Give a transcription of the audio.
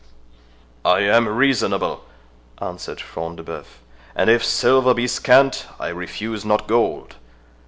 "I am reasonable," answered Front de Bœuf, "and if silver be scant, I refuse not gold.